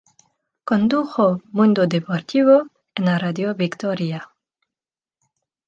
Condujo "Mundo Deportivo" en Radio Victoria.